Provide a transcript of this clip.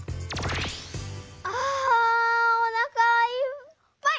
あおなかいっぱい！